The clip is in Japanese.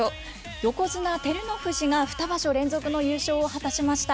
横綱・照ノ富士が２場所連続の優勝を果たしました。